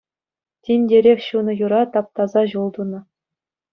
Тинтерех ҫунӑ юра таптаса ҫул тунӑ.